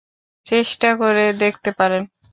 চেষ্টা করে দেখতে পারেন।